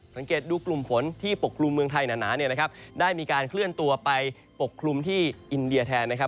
สังเกตดูกลุ่มฝนที่ปกครูเมืองไทยหนาได้มีการเคลื่อนตัวไปปกครูมที่อินเดียแทนนะครับ